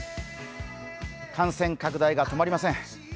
感染拡大が止まりません。